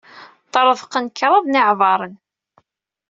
Ṭṭerḍqen kraḍ n yiɛbaṛen.